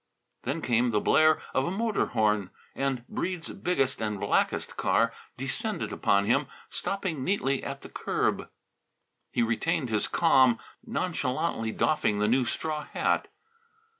Then came the blare of a motor horn and Breede's biggest and blackest car descended upon him, stopping neatly at the curb. He retained his calm, nonchalantly doffing the new straw hat.